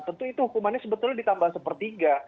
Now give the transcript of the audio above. tentu itu hukumannya sebetulnya ditambah sepertiga